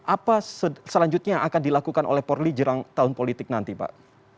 apa selanjutnya yang akan dilakukan oleh polri jelang tahun politik nanti pak